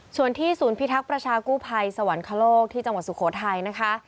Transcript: ส่วนที่ศูนย์พิทักษ์ประชากู้ภัยสวรรคโลกที่จังหวัดสุโขทัยนะคะ